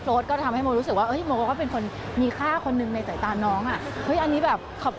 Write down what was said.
ขอบคุณมากจริงอ่ะ